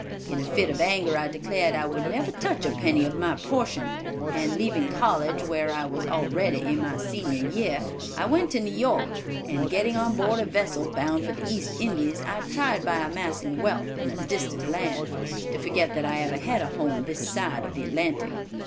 In a fit of anger, I declared I would never touch a penny of my portion, and leaving college, where I was already in my senior year, I went to New York, and getting on board a vessel bound for the East Indies, I tried by amassing wealth in a distant land, to forget that I ever had a home this side of the Atlantic.